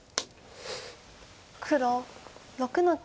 黒６の九。